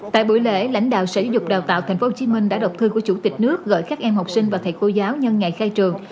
tại buổi lễ lãnh đạo sở dục đào tạo thành phố hồ chí minh đã đọc thư của chủ tịch nước gọi các em học sinh và thầy cô giáo nhân ngày khai trường